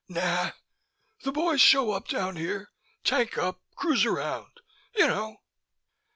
"Nah. The boys show up down here, tank up, cruise around, you know."